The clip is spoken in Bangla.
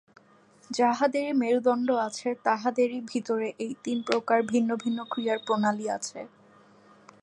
যাহাদেরই মেরুদণ্ড আছে, তাহাদেরই ভিতরে এই তিন প্রকার ভিন্ন ভিন্ন ক্রিয়ার প্রণালী আছে।